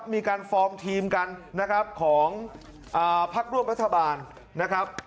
ฟอร์มทีมกันนะครับของพักร่วมรัฐบาลนะครับ